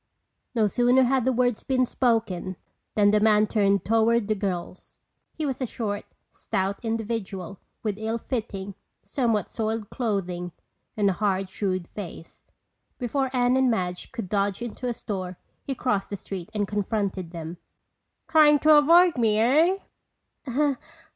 No sooner had the words been spoken than the man turned toward the girls. He was a short, stout individual with ill fitting, somewhat soiled clothing and a hard, shrewd face. Before Anne and Madge could dodge into a store he crossed the street and confronted them. "Trying to avoid me, eh?"